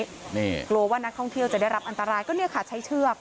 กลัวว่านักท่องเที่ยวจะได้รับอันตรายก็เนี่ยค่ะใช้เชือก